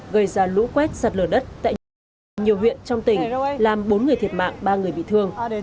gây ra lũ quét sạt lở đất tại nhiều huyện nhiều huyện trong tỉnh làm bốn người thiệt mạng ba người bị thương